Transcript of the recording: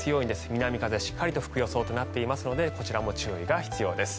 南風がしっかりと吹く予想となっていますのでこちらも注意が必要です。